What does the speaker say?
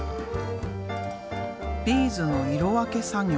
ビーズの色分け作業。